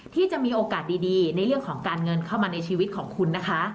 ที่จะมีโอกาสดีในเรื่องของการเงินเข้ามาในชีวิตของคุณนะคะ